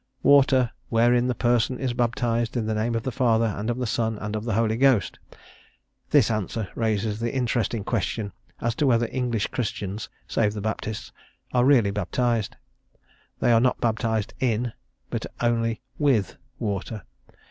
Water; wherein the person is baptized in the name of the Father, and of the Son, and of the Holy Ghost." This answer raises the interesting question as to whether English Christians save the Baptists are really baptized. They are not baptized "in," but only "with" water.